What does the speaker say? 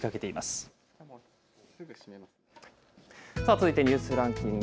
続いてニュースランキング。